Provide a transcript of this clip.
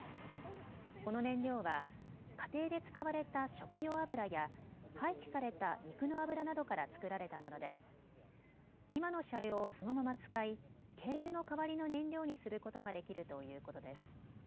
この燃料は家庭で使われた食用油や廃棄された肉の油などから作られたもので今の車両をそのまま使い軽油の代わりの燃料にすることができるということです。